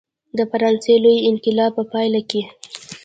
د فرانسې لوی انقلاب په پایله کې.